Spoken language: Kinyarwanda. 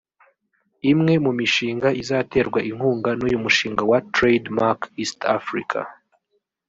Imwe mu mishinga izaterwa inkunga n’uyu mushinga wa Trade mark East Africa